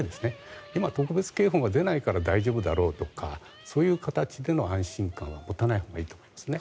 今、特別警報が出ないから大丈夫だろうとかそういう形での安心感は持たないほうがいいですね。